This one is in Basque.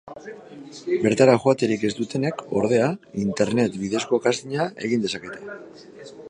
Bertara joaterik ez dutenek, ordea, internet bidezko castinga egin dezakete.